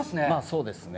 そうですね。